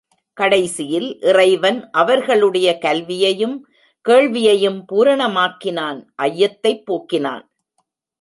கடைசியில் இறைவன் அவர்களுடைய கல்வியையும், கேள்வியையும் பூரணமாக்கினான் ஐயத்தைப் போக்கினான்.